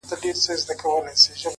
دا دی په وينو لژند يار سره خبرې کوي!